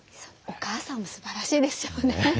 お母さんもすばらしいですよね。